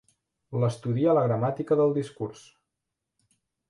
L'estudia la gramàtica del discurs.